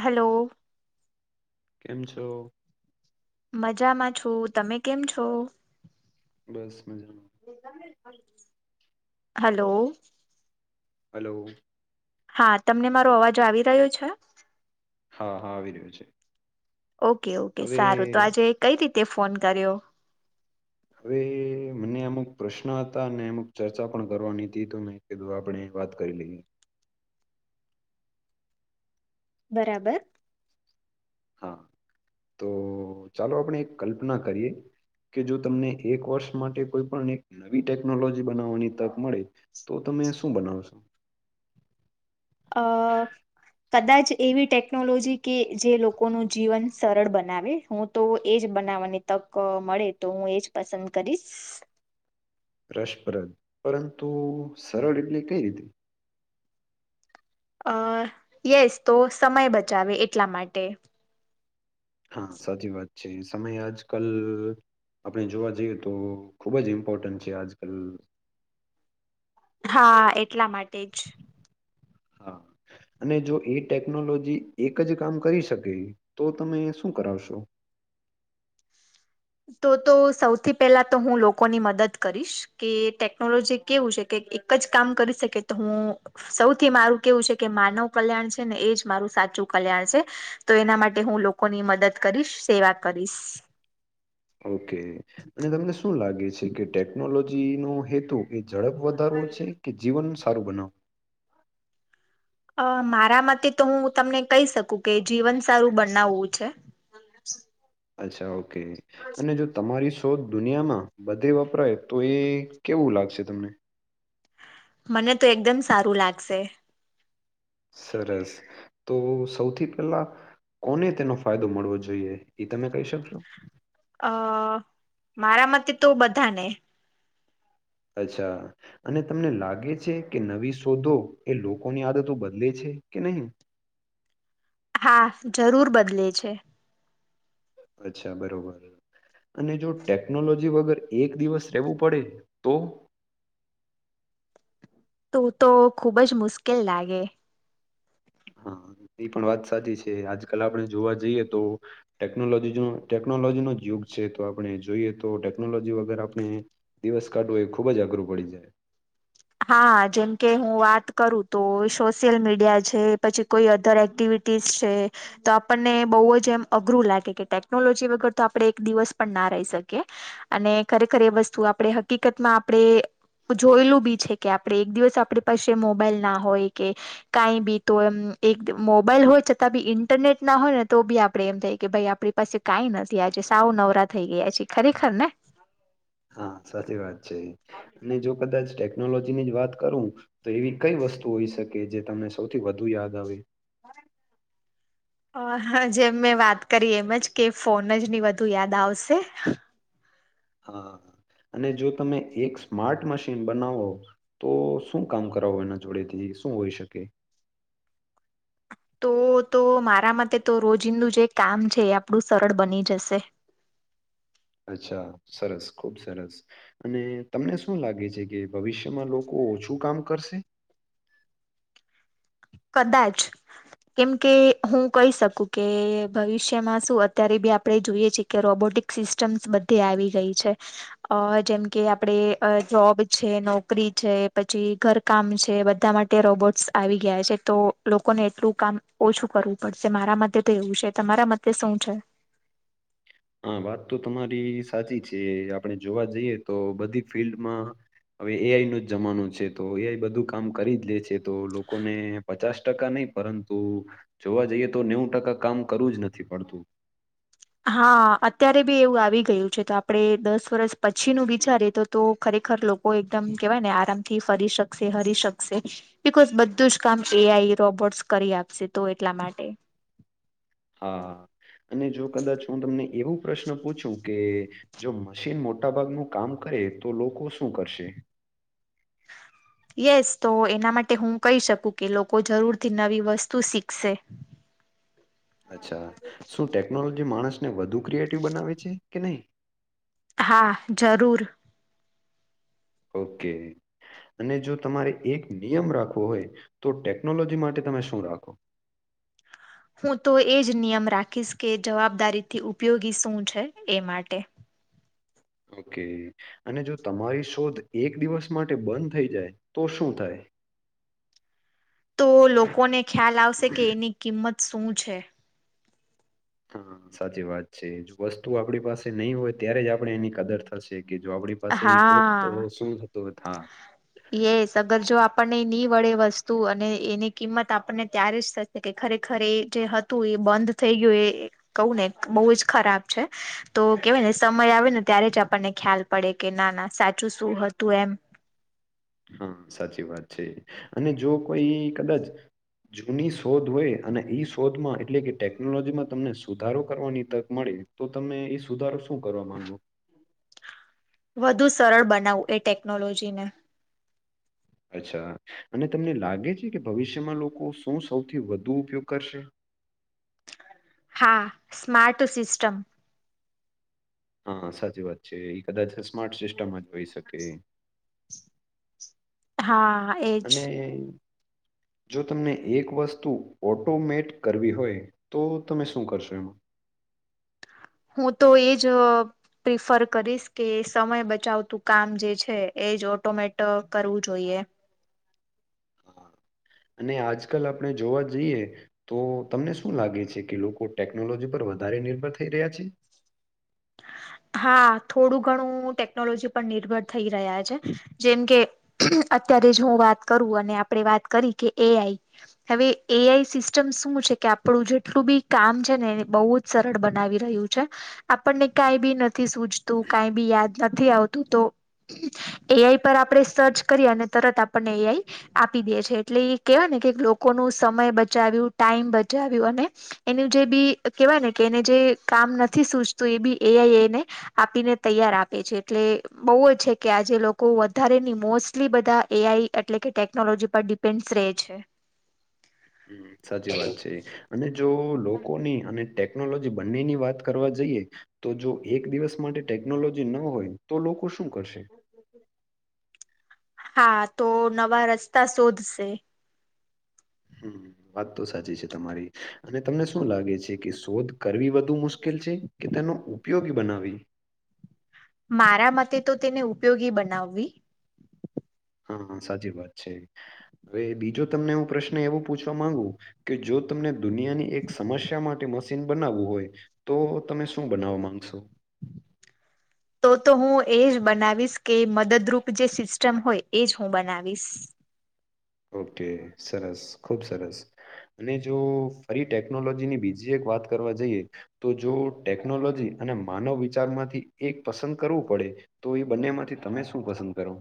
Hello. કેમ છો? મજામાં છું. તમે કેમ છો? બસ મજામાં. હલોવ. હલોવ. હા. તમને મારો અવાજ આવી રહ્યો છે? હા, હા આવી રહ્યો છે. ઓકે-ઓકે હવે સારું. તો આજે કંઈ રીતે ફોન કર્યો? હવે મને અમુક પ્રશ્ન હતા, અને અમુક ચર્ચા પણ કરવાની તી તો મેં કીધું આપણેે વાત કરી લઈએ. બરાબર. હા. તો ચાલો આપણે એક કલ્પના કરીએ કે જો તમને એક વર્ષ માટે કોઈ પણ એક નવી ટેકનોલોજી બનાવવાની તક મળે તો તમે શું બનાવશો? અહ કદાચ એવી ટેકનોલોજી કે જે લોકોનું જીવન સરળ બનાવે. હું તો એ જ બનાવવાની તક મળે તો હું એ જ પસંદ કરીશ. [inaudible] રસપ્રદ, પરંતુ સરળ એટલે કઈ રીતે? અહ યેસ. તો સમય બચાવે એટલા માટે. હા સાચી વાત છે. સમય આજકલ આપણે જોવા જઈએ તો ખૂબ જ ઇમ્પોર્ટન્ટ છે આજકલ. હા એટલા માટે જ. હા. અને જો એ ટેકનોલોજી એક જ કામ કરી શકે, તો તમે શું કરાવશો? તો-તો સૌથી પહેલા તો હું લોકોની મદદ કરીશ. કે ટેકનોલોજી કેવું છે કે એક એક જ કામ કરી શકે તો હું સૌથી મારું કેવું છે કે માનવ કલ્યાણ છે ને એ જ મારું સાચું કલ્યાણ છે. તો એના માટે હું લોકોની મદદ કરીશ, સેવા કરીશ. ઓકે. અને તમને શું લાગે છે કે ટેકનોલોજી નો હેતુ એ ઝડપ વધારવો છે કે જીવન સારું બનાવ? અહ મારા મતે તો હું તમને કહી શકું કે જીવન સારું બનાવવું છે. અચ્છા, ઓકે અને જો તમારી શોધ દુનિયામાં બધે વપરાય, તો એ કેવું લાગશે તમને? મને તો એકદમ સારુ લાગસે. સરસ. તો સૌથી પેલા કોને તેનો ફાયદો મળવો જોઈએ? ઈ તમે કઈ શકશો. અ મારા મતે તો બધા ને. અચ્છા. અને તમને લાગે છે કે, નવી શોધો એ લોકોની આદતો બદલે છે કે નહીં? હા, જરૂર બદલે છે. અચ્છા, બરોબર. અને જો ટેકનોલોજી વગર એક દિવસ રેવુ પડે તો? તુ તો ખુબ જ મુસ્કેલ લાગે. હમ્મ, એ પણ વાત સાચી છે. આજકાલ આપણે જોવા જઈએ તો ટેકનોલોજી જોં ટેકનોલોજીનો જ યુગ છે, તો આપણે જોઈએ તો ટેકનોલોજી વગર આપણે દિવસ કાઢવો, એ ખૂબ જ અઘરું પડી જાય. હા, જેમ કે હું વાત કરુ તો સોસિયલ મીડિયા છે પછી કોઈ અધર એક્ટિવિટીસ છે. તો આપને બઉ જ એમ અઘરું લાગે કે, ટેકનોલોજી વગર તો આપડણે એક દિવસ પણ ના રહી શકીએ. અને ખરેખર એ વસ્તુ આપડણેે હકીકત માં આપડણેે જોયેલું બી છે. કે આપડણે એક દિવસ આપળી પાસે મોબાઈલ ના હોય કે, કાઈ બી તો એમ્મ. એક ત મોબાઈલ હોય છતાં બી ઇન્ટરનેટ ના હોય, ને તો બી આપડે એમ થાય કે ભાઈ આપ પસી કાઈ નથી, આજે સાવ નવરા થઈ ગયા છે. ખરેખર ને હા સાચી વાત છે અને જો કદાચ ટેકનોલોજી ની જ વાત કરુ તો એવી કઈ વસ્તુ ઓઈ શકે, જે તમને સૌથી વધુ યાદ આવે. અ હ જેમ મેં વાત કરી એમ જ કે, ફોન જ ની વધુ યાદ આવસે. હા અને જો તમે એક સ્માર્ટ મશીન બનાવો. તો શું કામ કરાવો એના જોડે થી? શું ઓઈ શકે. તો તો મારા માતે તો રોજિંદું જે કામ છે, એ આપડું સરળ બની જશે. અચ્છા, સરસ ખૂબ સરસ. અને તમને શું લાગે છે કે, ભવિષ્યમાં લોકો ઓછું કામ કરશે. કદાચ. કેમ કે હું કઈ શકું કે, ભવિષ્યમાં શું અત્યારે બી આપડે જોઈએ છે. કે રોબોટિક સિસ્ટમ્સ બધી આવી જાય છે. અ જેમ કે આપડે અ જોબ છે, નોકરી છે, પછી ઘર કામ છે. બધા માટે રોબોટ્સ આવી ગીયા છે. તો લોકોને એટલું કામ ઓછું કરવું પડશે. મારા મતે તો એવું છે, તમારા મતે શું છે? હા, વાત તો તમારી સાચી છે. આપણે જોવા જઈએ તો બધી ફિલ્ડમાં હવે એઆઈ નો જ જમાનો છે. તો એઆઈ બધું કામ કરી જ લે છે, તો લોકોને પચાસ ટકા નઈ પરંતુ જોવા જઈએ, તો નેવું ટકા કામ કરવુ જ નથી પડતું હા અત્યારે બી એવું આવી ગયું છે, તો આપડે દસ વરસ પછીનું વિચારીએ તો તો ખરેખર લોકો એકદમ કેવાય ને આરામથી ફરી શકશે, હરી શકશે બિકોઝ બધું જ કામ એઆઈ રોબોટ્સ કરી આપશે, તો એટલા માટે. હા અને જો કદાચ હું તમને એવું પ્રશ્ન પૂછું. કે જો મશીન મોટા ભાગનું કામ કરે, તો લોકો શું કરશે? યસ, તો એના માટે હું કઈ સકુ કે લોકો જરૂરથી નવી વસ્તુ સીખશે. અચ્છા, શું ટેકનોલોજી માણસને વધુ ક્રિએટિવ બનાવે છે કે નહીં? હા જરૂર. ઓકે. અને જો તમારે એક નિયમ રાખવો હોય, તો ટેકનોલોજી માટે તમે શું રાખો? હું તો એ જ નિયમ રાખીશ કે જવાબદારીથી ઉપયોગી શું છે એ માટે. ઓકે અને જો તમારી શોધ એક દિવસ માટે બંધ થઈ જાય તો શું થાય? તો લોકોને ખ્યાલ આવશે કે એની કિંમત શું છે. હા સાચી વાત છે જો વસ્તુ આપણી પાસે નહી હોય ત્યારે જ આપણે એની કદર થશે કે જો આપડી પાસે એ હો તો હા સુંધતો થા. યસ અગર જો આપણને નહી વળે વસ્તુ અને એની કિંમત આપણને ત્યારે જ એ ખરેખર જે હતું એ બંધ થઈ ગયું એ કહું ને બહુ જ ખરાબ છે, તો કેવાય ને સમય આવે ને ત્યારે જ આપણને ખ્યાલ પડે કે ના ના સાચું શું હતું એમ. હા સાચી વાત છે, અને જો કોઈ કદાચ જૂની શોધ હોય અને ઈ શોધમાં એટલે કે ટેકનોલોજીમાં તમને સુધારો કરવાની તક મળે. તો તમે એ સુધારો શું કરવા માંગો? વધુ સરળ બનાવવું એ ટેકનોલોજીને. અચ્છા, અને તમને લાગે છે કે ભવિષ્યમાં લોકો શું સૌથી વધુ ઉપયોગ કરશે? હા, સ્માર્ટ સિસ્ટમ. હા સાચી વાત છે એ કદાચ સ્માર્ટ સિસ્ટમમાં જ હોઈ શકે. હા હા. અને જો તમને એક વસ્તુ ઓટોમેટ કરવી હોય તો તમે શું કરશો? હું તો એજ પ્રિફર કરીશ કે સમય બચાવતું કામ જે છે એ જ ઓટોમેટ કરવું જોઈએ. હા અને આજકાલ આપણે જોવા જઈએ. તો તમને શું લાગે છે કે લોકો ટેકનોલોજી પર વધારે નિર્ભર થઈ રહ્યા છે? હા થોડું ઘણું ટેકનોલોજી પર નિર્ભર થઈ રહ્યા છે જેમ કે અત્યારે જ હું વાત કરું અને આપડણે વાત કરી કે એ આઈ. હવે એ આઈ સિસ્ટમ શું છે કે આપણું જેટલું બી કામ છે ને એ બહુ જ સરળ બનાવી રહ્યું છે. હ [inaudible] આપણને કઈ બી નથી સૂજતું કઈ બી યાદ નથી આવતું તો એ આઈ પર આપણે સર્ચ કરીએ અને તરત આપણને એ આઈ આપી દે છે એટલે એ કેહેવાય ને કે લોકોનું સમય બચાવ્યું ટાઈમ બચાવ્યું અને એનું જે બી કેવાય ને કે એને જે કામ નથી સૂચતું એ બી એ આઈ એ ને આપીને તૈયાર આપે છે એટલે બહુ જ છે કે આજે લોકો વધારે ની મોસ્ટલી બધા એ આઈ એટલે કે ટેકનોલોજી પર પેન્સ રહે છે. સાચી વાત છે, અને જો લોકોની અને ટેકનોલોજી બંને ની વાત કરવા જઈએ. તો જો એક દિવસ માટે ટેકનોલોજી ન હોય તો લોકો શું કરશે? હા તો નવા રસ્તા શોધશે. હ વાત તો સાચી છે, તમારી અને તમને શું લાગે છે કે શોધ કરવી વ વધ મુશ્કેલ છે કે તેનો ઉપયોગી બનાવી? મારા મતે તો તેને ઉપયોગી બનાવવી. હા સાચી વાત છે હવે બીજો તમને હું પ્રશ્ન એવું પૂછવા માંગુ કે જો તમને દુનિયાની એક સમસ્યા માટે મશીન બનાવવું હોય તો તમે શું બનાવવા માંગશો તો તો હું એજ બનાવીશ કે મદદરૂપ જે સિસ્ટમ હોય એજ હું બનાવીશ ઓકે સરસ ખૂબ સરસ અને જો ફરી ટેકનોલોજીની બીજી એક વાત કરવા જઈએ તો જો ટેકનોલોજી અને માનવ વિચારમાંથી એક પસંદ કરવું પડે તો એ બંને માંથી તમે શું પસંદ કરો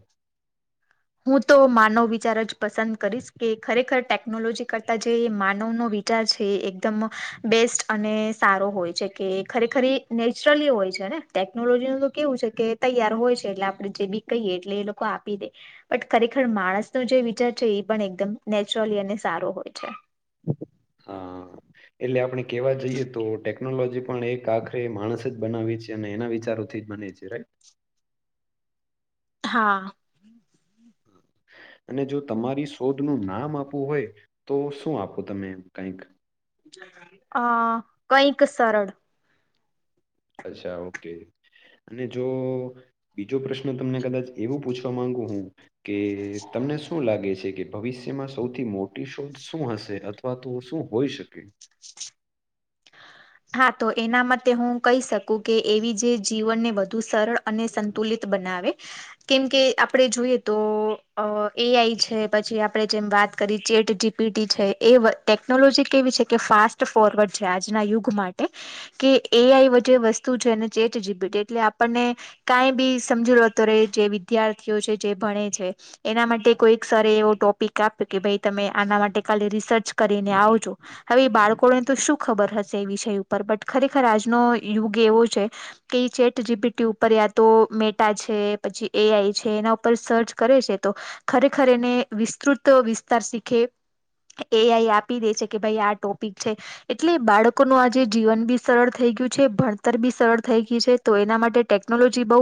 હું તો માનવ વિચાર જ પસંદ કરીશ કે ખરેખર ટેકનોલોજી કરતા જે માનવનોો વિચાર છે એકદમ બેસ્ટ અને સારો હોય છે કે ખરેખર નેચરલી હોય છે ને ટેકનોલોજી ન તો કેવું છે કે તૈયાર હોય છે એટલે આપડે જે બી કહીયએ એટલે એ લોકો આપી દે બટ ખરેખર માણસનો જે વિચાર છે એ પણ એકદમ નેચરલી અને સારો હોય છે. હા એટલે આપણે કેવા જઈએ તો ટેકનોલોજી પણ એક આખ માણસ જ બનાવે છે અને એના વિચારોથી જ બને છેઈ હા અને જો તમારી શોધ નું નામ આપવું હોય તો શું આપો તમે કઈક અ કઈક સરળ અચ્છા ઓકે અને જો બીજો પ્રશ્ન તમને કદાચ એવું પૂછવા માંગુ હું કે તમને શું લાગે છે કે ભવિષ્યમાં સૌથી મોટી શોધ શું હશે અથવા તો શું હોઈ શકે હા તો એના માટેતે હું કહી શકું કે એવી જે જીવનને વધુ સરળ અને સંતુલિત બનાવે કેમ કે આપણે જોઈએ તો એઆઈ છે પછી આપણે જેમ વાત કરી ચેટજી છે એ ટેકનોલોજી કેવી છે કે ફાસ્ટ ફોરવર્ડ છે આજના યુગ માટે કે એ આઈ આ જે વસ્તુ છે અને ચેટ જીબીટી એટલે આપણને કાંઈ બી સમજીૂ લોતો રે જે વિદ્યાર્થીઓ છે જે ભણે છે. એના માટે કોઈ સર એવો ટોપિક આપ્યો કે ભાઈ તમે આના માટે કાલી રિસર્ચ કરીને આવજો હવે એ બાળકોને તો શું ખબર હશે એ વિષય ઉપર બટ ખરેખર આજનો યુગ એવો છે. કઈ ચેટ જીબીટી્ય ઉપર યા તો મેટા છે પછી એઆઈ છે એના ઉપર સર્ચ કરે છે તો ખરેખરે ને વિસ્તૃત વિસ્તાર શીખે એ આઈ આપી દે છે કે ભાઈ આ ટોપિક છે એટલે બાળકો લોકોનું આજે જીવન બી સરળ થઈ ગયું છે ભણતર બી સરળ થઈ ગયઈ છે તો એના માટે ટેકનોલોજી બહુ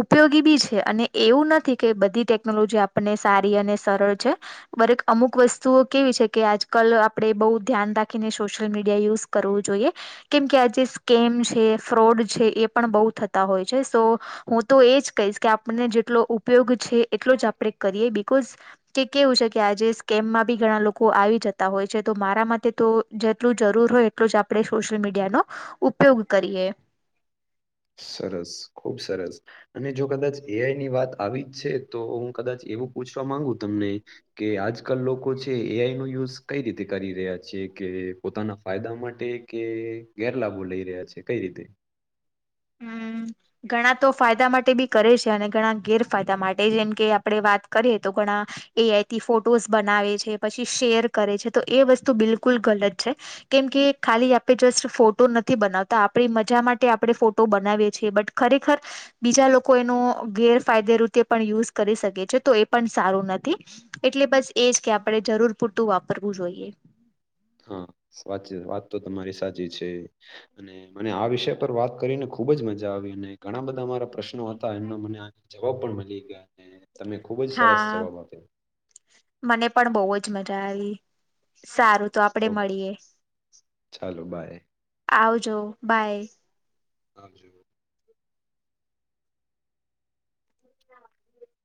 ઉપયોગી બી છે અને એવું નથી કે બધી ટેકનોલોજી આપણને સારી અને સરળ છે. દરેક અમુક વસ્તુઓ કેવી છે કે આજકાલ આપડે બહુ ધ્યાન રાખીને સોશિયલ મીડિયા યુઝ કરવું જોઈએ કેમકે આજે સ્કેમ છે ફ્રોડ છે એ પણ બહુ થતા હોય છે સો હું તો એજ કહીશ કે આપણને જેટલો ઉપયોગ છે એટલો જ આપણે કરીએ બકોઝ જે કેવું છે કે આજે સ્કેમમાં બી ઘણા લોકો આવી જતા હોય છે તો મારા માટે તો જેટલું જરૂર હોય એટલો જ આપણે સોશિયલ મીડિયાનોો ઉપયોગ કરીએ સરસ ખુબ સરસ અને જો કદાચ એઆઈ ની વાત આવી જ છે તો હું કદાચ એવું પૂછવા માંગુ તમને કે આજકાલ લોકો છે એ આઈ નો યુઝ કઈ રીતે કરી રહ્યા છે કે પોતાના ફાયદા માટે કે ગેરલાભો લઈ રહ્યા છે કઈ રીતે હમ [inaudible] ઘણા તો ફાયદા માટે બી કરે છે, અને ઘણા ગેરફાયદા માટે. જેમ કે આપણે વાત કરીએ તો ઘણા એ આઈથી ફોટોઝ બનાવે છે, પછી શેર કરે છે. તો એ વસ્તુ બિલકુલ ગલત છે. કેમ કે ખાલી આપે જસ્ટ ફોટો નથી બનાવતા, આપણી મજા માટે આપણે ફોટ ટો બનાવે છે, બટ ખરેખર બીજા લોકો એનો ગેરફાયદે રીતે પણ યુઝ કરી શકે છે. તો એ પણ સારું નથી. એટલે બસ એજ કે આપણે જરૂર પૂરતું વાપરવું જોઈએ. હા. વાચી વાત તો તમારી સાચી છે. અને મને આ વિષય પર વાત કરીને ખુબ જ મજા આવી. અને ઘણા બધા મારા પ્રશ્નો હતા એમના મને આ જવાબ પણ મલી ગયા. અને તમે ખુબ જ સરસ હા જવાબ આપ્યો. મને પણ બહુ જ મજા આવી. સારું તો આપડે ઓકે, મળીએ, ચાલો બાય આવજો, બાય. આવજો.